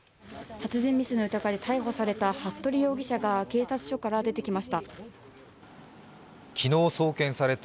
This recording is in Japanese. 殺人未遂の疑いで逮捕された服部容疑者が警察署から出てきました。